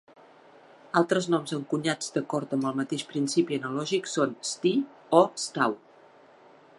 Altres noms encunyats d'acord amb el mateix principi analògic són "sti" o "stau".